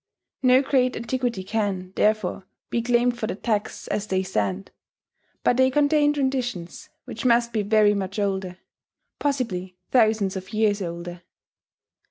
No great antiquity can, therefore, be claimed for the texts as they stand; but they contain traditions which must be very much older, possibly thousands of years older.